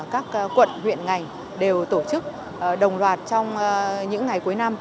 các quận huyện ngành đều tổ chức đồng loạt trong những ngày cuối năm